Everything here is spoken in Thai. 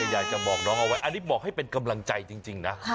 อยากจะบอกน้องเอาไว้อันนี้บอกให้เป็นกำลังใจจริงนะ